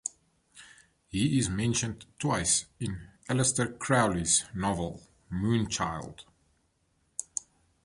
He is mentioned twice in Aleister Crowley's novel "Moonchild".